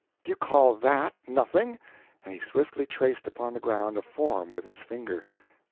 Do you call that nothing?" and he swiftly traced upon the ground a form with his finger.